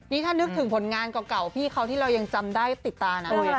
นี่ถ้านึกถึงผลงานเก่าพี่เขาที่เรายังจำได้ติดตานะ